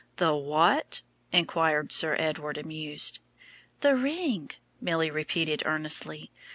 "The what?" inquired Sir Edward, amused. "The ring," Milly repeated earnestly.